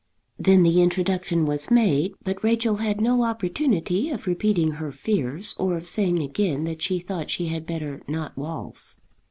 Then the introduction was made; but Rachel had no opportunity of repeating her fears, or of saying again that she thought she had better not waltz.